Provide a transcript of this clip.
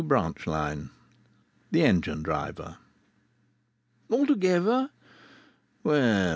2 BRANCH LINE THE ENGINE DRIVER "Altogether? Well.